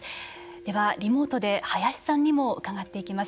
ではリモートで林さんにも伺っていきます。